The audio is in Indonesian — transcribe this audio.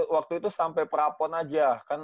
waktu itu sampai pra pon aja kan